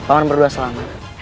paman berdua selamat